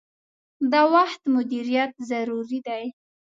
د وخت مدیریت ضروری دي.